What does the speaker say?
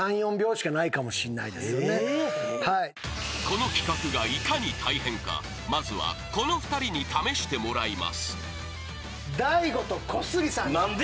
［この企画がいかに大変かまずはこの２人に試してもらいます］